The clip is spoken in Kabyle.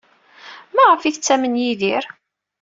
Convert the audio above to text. Maɣef ay tettamen Yidir?